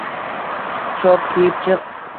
Chop, kiyib chiq!